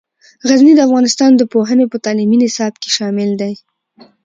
غزني د افغانستان د پوهنې په تعلیمي نصاب کې شامل دی.